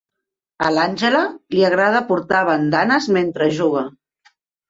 A l'Àngela li agrada portar bandanes mentre juga.